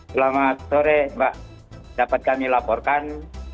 selamat sore mbak dapat kami laporkan